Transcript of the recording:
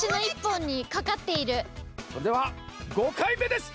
それでは５かいめです。